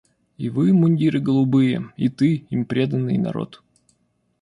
И вы, мундиры голубые, И ты, им преданный народ.